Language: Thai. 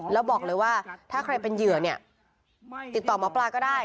แล้วบอกเลยว่าถ้าใครเป็นเหยื่อเนี่ยติดต่อหมอปลาก็ได้